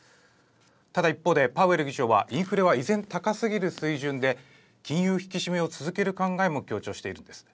ただ一方でパウエル議長はインフレは依然高すぎる水準で金融引き締めを続ける考えも強調しているんです。